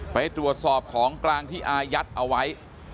ไปตรวจสอบของกลางที่อายัดเอาไว้